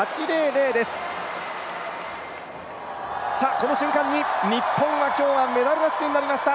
この瞬間に日本が今日はメダルラッシュになりました。